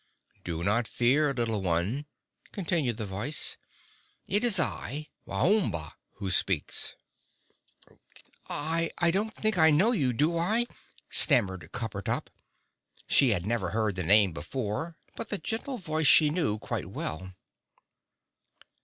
"Do not fear, little one!" continued the voice. "It is I, Waomba, who speaks." "I don't think I know you, do I?" stammered Coppertop. She had never heard the name before, but the gentle voice she knew quite well.